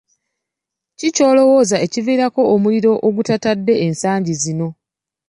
Kiki ky'olowooza ekiviirako omuliro ogutatadde ensangi zino.